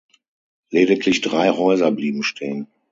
Lediglich drei Häuser blieben stehen.